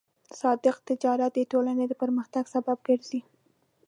صادق تجارت د ټولنې د پرمختګ سبب ګرځي.